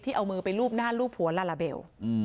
เอามือไปลูบหน้ารูปหัวลาลาเบล